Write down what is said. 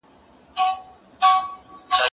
زه مځکي ته کتلې دي؟